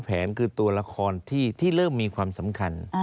คือตัวละครที่เริ่มมีความสำคัญ